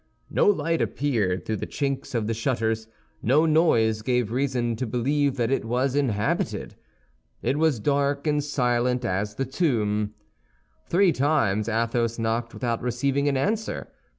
No light appeared through the chinks of the shutters; no noise gave reason to believe that it was inhabited. It was dark and silent as the tomb. Three times Athos knocked without receiving an answer.